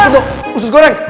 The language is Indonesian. tidak usus goreng